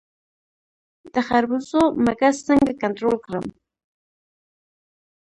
د خربوزو مګس څنګه کنټرول کړم؟